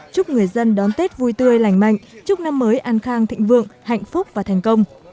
chúc người dân đón tết vui tươi lành mạnh chúc năm mới an khang thịnh vượng hạnh phúc và thành công